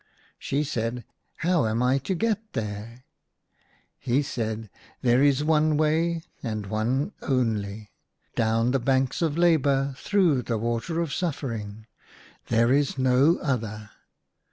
She said, " How am I to get there .'*" He said, " There is one way, and one only. Down the banks of Labour, 1 HREE DREAMS IN A DESERT. 77 through the water of Suffering. There is no other."